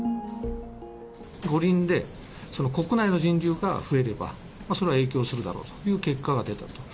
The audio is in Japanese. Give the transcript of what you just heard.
五輪でその国内の人流が増えれば、それは影響するだろうという結果が出ていると。